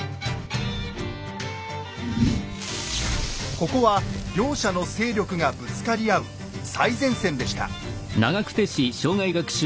ここは両者の勢力がぶつかり合う最前線でした。